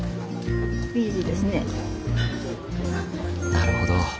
なるほど。